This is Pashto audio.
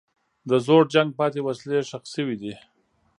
د زوړ جنګ پاتې وسلې ښخ شوي دي.